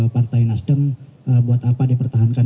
partai nasdem buat apa dipertahankan